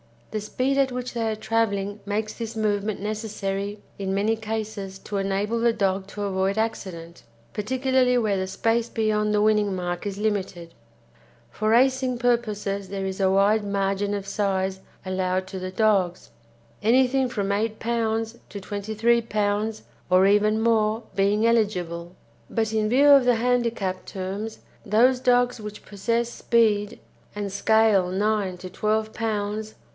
The speed at which they are travelling makes this movement necessary in many cases to enable the dog to avoid accident, particularly where the space beyond the winning mark is limited. For racing purposes there is a wide margin of size allowed to the dogs, anything from 8 lbs. to 23 lbs., or even more, being eligible; but in view of the handicap terms those dogs which possess speed, and scale 9 to 12 lbs.